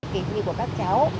kỳ thi của các cháu